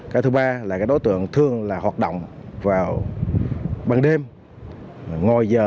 cái thứ ba là các đối tượng thường là hoạt động vào bằng đêm ngồi giờ